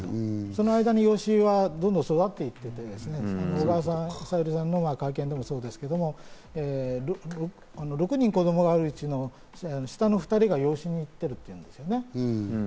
その間に養子はどんどん育っていって、小川さゆりさんの会見でもそうですけど、６人子供がいるうちの下の２人が養子に行ってるんですね。